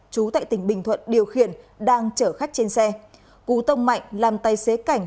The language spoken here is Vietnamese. chú tại tỉnh bình thuận điều khiển đang chở khách trên xe cú tông mạnh làm tay xế cảnh